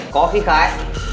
có khí khái